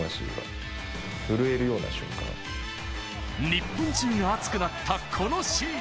日本中が熱くなった、このシーン。